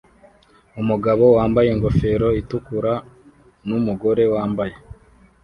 Umugabo wambaye ingofero itukura numugore wambaye